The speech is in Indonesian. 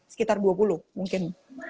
sekitar dua puluh mungkin